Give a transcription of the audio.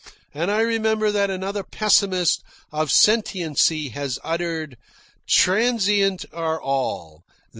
And I remember what another pessimist of sentiency has uttered: "Transient are all.